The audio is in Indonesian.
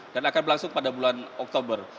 dan akan berlangsung pada bulan oktober